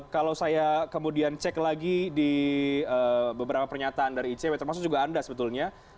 kalau saya kemudian cek lagi di beberapa pernyataan dari icw termasuk juga anda sebetulnya